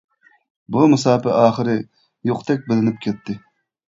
بۇ مۇساپە ئاخىرى يوقتەك بىلىنىپ كەتتى.